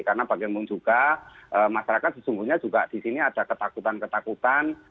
karena bagaimana juga masyarakat sesungguhnya juga disini ada ketakutan ketakutan